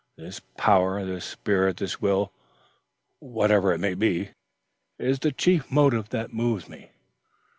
This power this spirit this will, whatever it may be, is the chief motive that moves me.